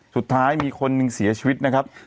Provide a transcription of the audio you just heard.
สุดท้ายมีคนหนึ่งเสียชีวิตนะครับ